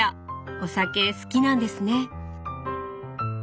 お酒好きなんですね。